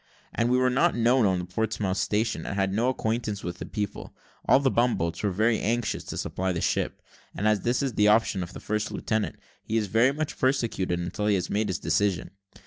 As we were not known on the Portsmouth station, and had no acquaintance with the people, all the bum boats were very anxious to supply the ship; and as this is at the option of the first lieutenant, he is very much persecuted until he has made his decision.